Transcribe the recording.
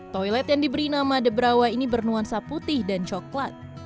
toilet yang diberi nama debrawa ini bernuansa putih dan coklat